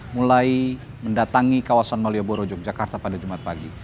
mulai mendatangi kawasan malioboro yogyakarta pada jumat pagi